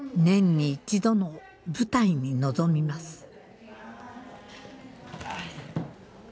年に１度の舞台に臨みます。